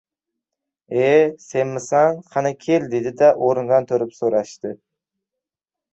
— E, senmisan? Qani kel, — dedi-da, o‘rnidan turib so‘rashdi.